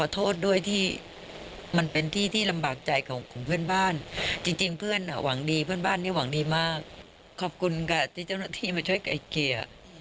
แต่ลูกนั้นก็ไม่มีไปแนะนำตัวตัวปุ้งตัวเองเลย